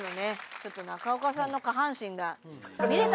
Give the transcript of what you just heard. ちょっと中岡さんの下半身が。